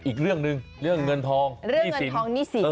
อีกเรื่องหนึ่งเรื่องเงินทองหนี้สิน